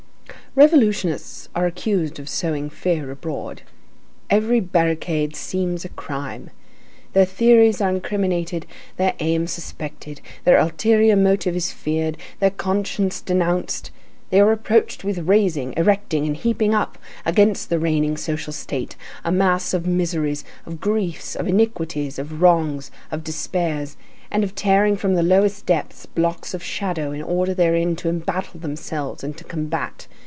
Revolutionists are accused of sowing fear abroad. Every barricade seems a crime. Their theories are incriminated, their aim suspected, their ulterior motive is feared, their conscience denounced. They are reproached with raising, erecting, and heaping up, against the reigning social state, a mass of miseries, of griefs, of iniquities, of wrongs, of despairs, and of tearing from the lowest depths blocks of shadow in order therein to embattle themselves and to combat.